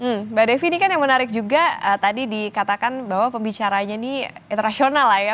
hmm mbak devi ini kan yang menarik juga tadi dikatakan bahwa pembicaranya ini internasional lah ya